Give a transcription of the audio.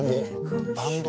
バンド？